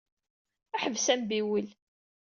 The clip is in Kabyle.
Ḥbes ambiwel!